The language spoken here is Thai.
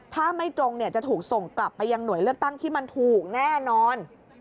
ถ้าไม่ตรงจะถูกส่งกลับไปยังหน่วยเลือกตั้งที่มันถูกแน่นอน